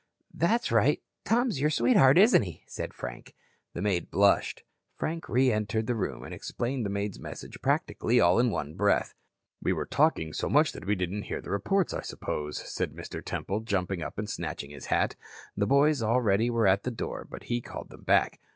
"That's right, Tom's your sweetheart, isn't he?" said Frank. The maid blushed. Frank re entered the room, and explained the maid's message practically all in one breath. "We were talking so much that we didn't hear the reports, I suppose," said Mr. Temple, jumping up and snatching at his hat. The boys already were at the door but he called them back.